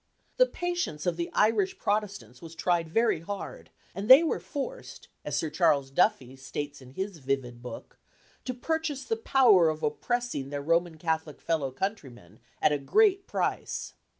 The patience of the Irish Protestants was tried very hard, and they were forced, as Sir Charles Duffy states in his vivid book, to purchase the power of oppressing their Roman Catholic fellow countrymen at a great price.